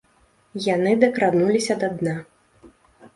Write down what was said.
Яны дакрануліся да дна.